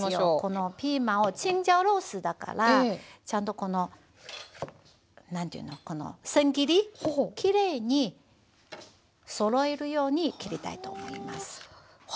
このピーマンをチンジャオロースーだからちゃんとこの何て言うのせん切りきれいにそろえるように切りたいと思います。